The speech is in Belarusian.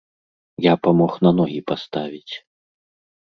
Я памог на ногі паставіць.